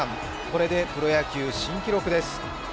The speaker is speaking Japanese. これでプロ野球新記録です。